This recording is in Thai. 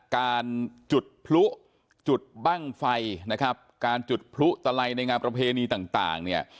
การจุดพลุจุดบ้างไฟนะครับการจุดพลุตะไลในงานประเพณีต่างเนี่ย